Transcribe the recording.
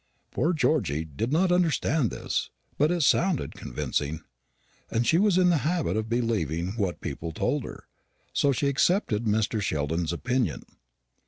Poor Georgy did not understand this; but it sounded convincing, and she was in the habit of believing what people told her; so she accepted Mr. Sheldon's opinion.